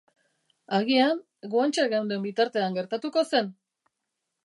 Agian, gu hantxe geunden bitartean gertatuko zen!